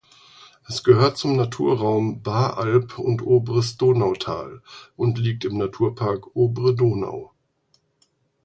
Es gehört zum Naturraum Baaralb und Oberes Donautal und liegt im Naturpark Obere Donau.